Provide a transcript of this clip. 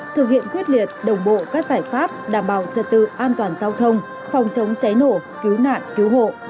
thực hiện quyết liệt đồng bộ các giải pháp đảm bảo trật tự an toàn giao thông phòng chống cháy nổ cứu nạn cứu hộ